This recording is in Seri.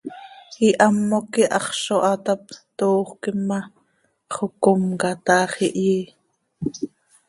Ihamoc quih haxz zo haa tap, toojöquim ma, xocomca tax, ihyí.